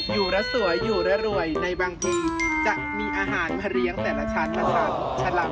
อยู่แล้วสวยอยู่แล้วรวยในบางทีจะมีอาหารมาเลี้ยงแต่ละชั้นนะคะ